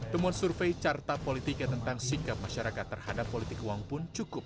temuan survei carta politika tentang sikap masyarakat terhadap politik uang pun cukup